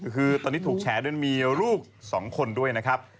คือตอนนี้ถูกแฉด้วยมีลูก๒คนด้วยนะครับ